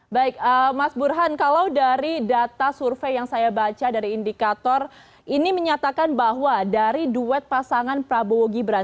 baik mas burhan kalau dari data survei yang saya baca dari indikator ini menyatakan bahwa dari duet pasangan prabowo gibran